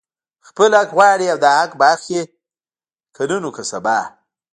خپل حق غواړي او دا حق به اخلي، که نن وو که سبا